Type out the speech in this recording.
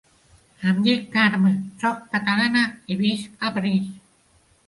Em dic Carme, soc catalana i visc a París.